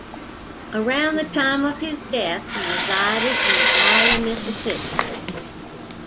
Around the time of his death, he resided in Byhalia, Mississippi.